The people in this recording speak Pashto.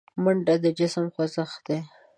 منډه د جسم خوځښت دی